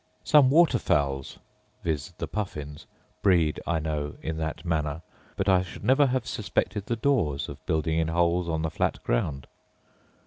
Some water fowls (viz., the puffins) breed, I know, in that manner; but I should never have suspected the daws of building in holes on the flat ground.